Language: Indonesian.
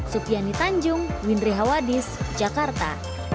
supiani tanjung windri hawadis jakarta